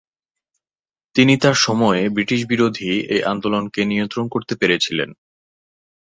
তিনি তাঁর সময়ে ব্রিটিশ বিরোধী এ আন্দোলনকে নিয়ন্ত্রণ করতে পেরেছিলেন।